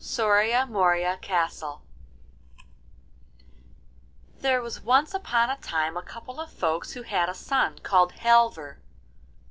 SORIA MORIA CASTLE There was once upon a time a couple of folks who had a son called Halvor.